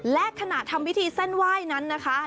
และขณะทำพิธีเส้นไหว้นั้นนะคะ